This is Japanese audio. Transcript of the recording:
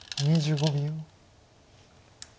２５秒。